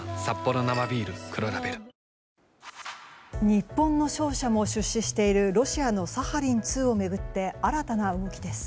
日本の商社も出資しているロシアのサハリン２を巡って新たな動きです。